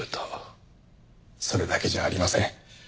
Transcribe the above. それだけじゃありません。